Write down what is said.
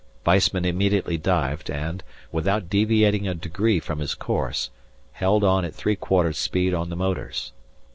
Weissman immediately dived and, without deviating a degree from his course, held on at three quarters speed on the motors.